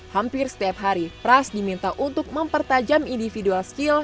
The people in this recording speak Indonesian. hampir setiap hari pras diminta untuk mempertajam individual skill